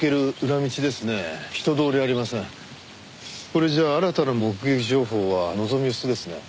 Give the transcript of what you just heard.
これじゃ新たな目撃情報は望み薄ですね。